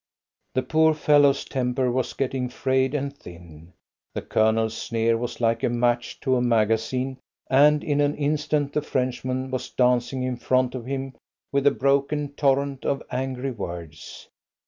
The poor fellows' tempers were getting frayed and thin. The Colonel's sneer was like a match to a magazine, and in an instant the Frenchman was dancing in front of him with a broken torrent of angry words.